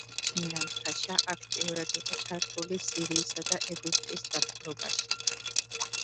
სინან-ფაშა აქტიურად იყო ჩართული სირიისა და ეგვიპტის დაპყრობაში.